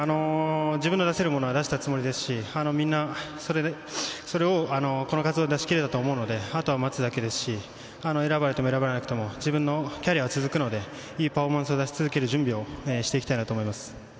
自分が出せるものは出したつもりですし、みんなそれをこの活動で出せたと思うので、あとは待つだけですし、選ばれても選ばれなくても自分のキャリアは続くので、いいパフォーマンスを出し続ける準備をしていきたいと思います。